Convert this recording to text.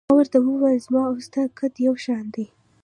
ما ورته وویل: زما او ستا قد یو شان دی.